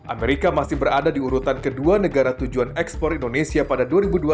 amerika masih berada di urutan kedua negara tujuan ekspor indonesia pada dua ribu dua puluh satu